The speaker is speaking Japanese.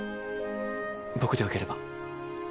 僕で良ければ。